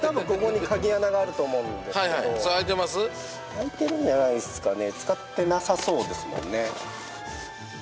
開いてるんじゃないっすかね。